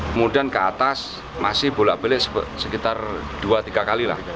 kemudian ke atas masih bolak balik sekitar dua tiga kali lah